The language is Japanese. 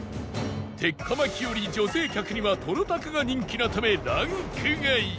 鉄火巻より女性客にはとろたくが人気なためランク外